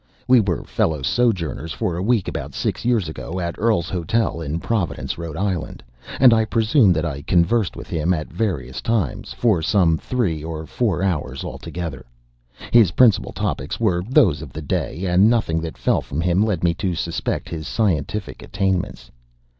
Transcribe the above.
We were fellow sojourners for a week about six years ago, at Earl's Hotel, in Providence, Rhode Island; and I presume that I conversed with him, at various times, for some three or four hours altogether. His principal topics were those of the day; and nothing that fell from him led me to suspect his scientific attainments.